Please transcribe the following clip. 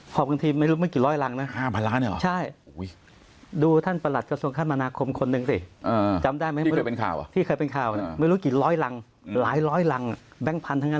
ขอบเงินทีไม่รู้ไม่กี่ร้อยลังนะ